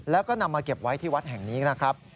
แล้วก็นำมาเก็บไว้ที่วัดแห่งนี้นะครับ